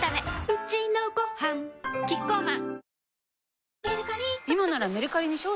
うちのごはんキッコーマン